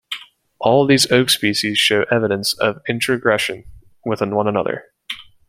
All these oak species show evidence of introgression with one another.